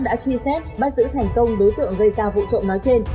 đã truy xét bắt giữ thành công đối tượng gây ra vụ trộm nói trên